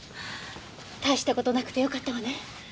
大した事なくてよかったわね。